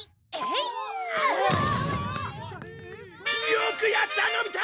よくやったのび太！